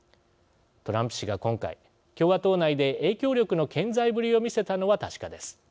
トランプ氏が今回、共和党内で影響力の健在ぶりを見せたのは確かです。